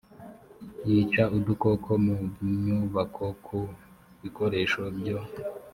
yica udukoko mu nyubako ku bikoresho byo